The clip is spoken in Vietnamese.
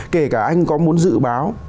kể cả anh có muốn dự báo